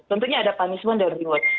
tentunya ada punishment dari reward